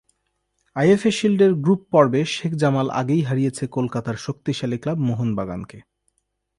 IFA শিল্ডের group পর্বে শেখ জামাল আগেই হারিয়েছে কলকাতার শক্তিশালী ক্লাব মোহনবাগানকে।